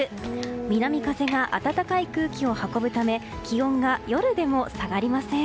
南風が暖かい空気を運ぶため気温が夜でも下がりません。